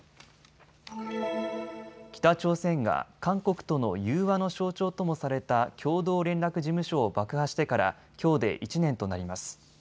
北朝鮮が韓国との融和の象徴ともされた共同連絡事務所を爆破してから、きょうで１年となります。